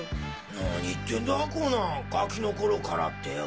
何言ってんだコナンガキの頃からってよォ。